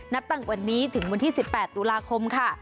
ต่างวันนี้ถึงวันที่๑๘ตุลาคมค่ะ